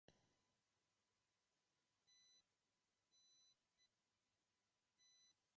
Estuvo casado con Josefa Manjón Velasco.